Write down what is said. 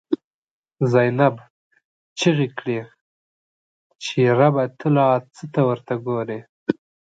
زینب ” چیغی کړی چی ربه، ته لا څه ته ورته ګوری”